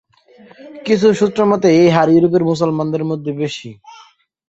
কিছু সূত্র মতে, এই হার ইউরোপের মুসলমানদের মধ্যে বেশি।